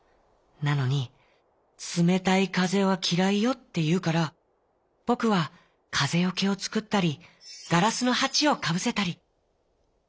なのに『つめたいかぜはきらいよ』っていうからぼくはかぜよけをつくったりガラスのはちをかぶせたり」。